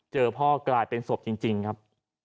พ่อกลายเป็นศพจริงครับ